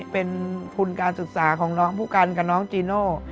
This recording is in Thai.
เป็นทุนการศึกษาของน้องผู้กันกับน้องจีโน่